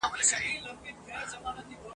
په هینداره کي دي وینم کله ته یې کله زه سم ..